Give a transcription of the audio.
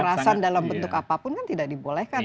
kekerasan dalam bentuk apapun kan tidak dibolehkan